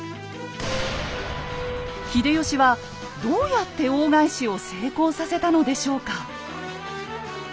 秀吉はどうやって大返しを成功させたのでしょうか？